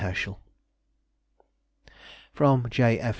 HERSCHEL. FROM J.